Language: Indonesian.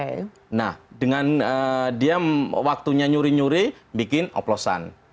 mereka sudah mencari waktu mereka mencari waktu untuk membuat opulasan